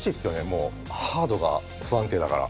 もうハードが不安定だから。